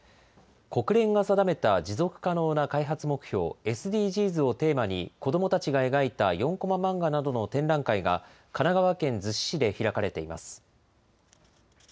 国連が定めた持続可能な開発目標・ＳＤＧｓをテーマに、子どもたちが描いた４コマ漫画などの展覧会が、神奈川県逗子市で開かれています。